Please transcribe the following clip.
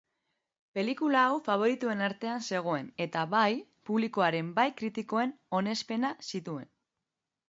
Pelikula hau faboritoen artean zegoen eta bai publikoaren bai kritikoen onespena zituen.